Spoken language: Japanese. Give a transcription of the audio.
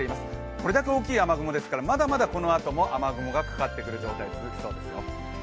これだけ大きい雨雲ですからまだまだこのあとも雨雲がかかってくることになりそうですよ。